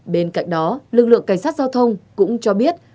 bên cạnh đó lực lượng cảnh sát giao thông cũng cho biết